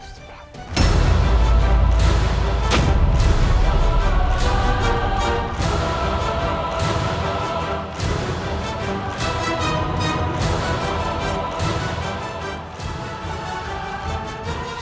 sabit kembar ini